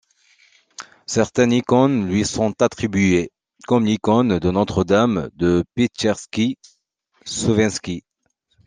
Certaines icônes lui sont attribuées, comme l'icône de Notre-Dame de Petcherski Svenski.